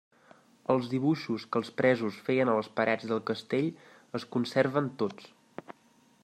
Els dibuixos que els presos feien a les parets del castell es conserven tots.